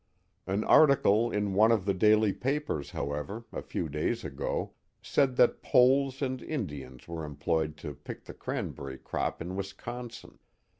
Ah article in one of the daily i^apers, hpwever, a few days ^4^, said that Poles and. Indians Were employed to^ckthe cranberry crop in Wisconsin.